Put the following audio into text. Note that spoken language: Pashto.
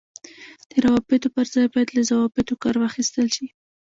د روابطو پر ځای باید له ضوابطو کار واخیستل شي.